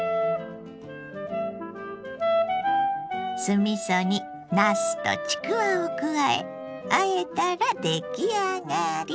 酢みそになすとちくわを加えあえたら出来上がり。